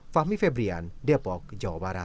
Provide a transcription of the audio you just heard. fahmi febrian depok jawa barat